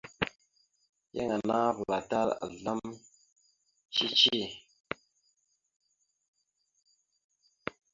Yan ana avəlatal azlam cici.